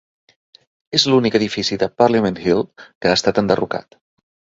És l'únic edifici de Parliament Hill que ha estat enderrocat.